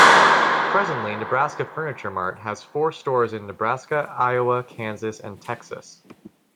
Presently, Nebraska Furniture Mart has four stores in Nebraska, Iowa, Kansas, and Texas.